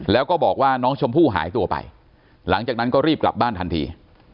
แล้วก็บอกว่าน้องชมพู่หายตัวไปหลังจากนั้นก็รีบกลับบ้านทันที